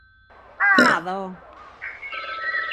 –Nada, ho.